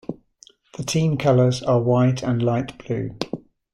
The team colors are white and light blue.